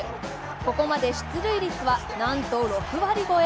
ここまで出塁率はなんと６割超え。